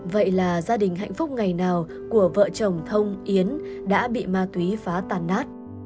vậy là gia đình hạnh phúc ngày nào của vợ chồng thông yến đã bị ma túy phá tàn nát